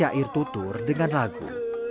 syair tutur dengan lagu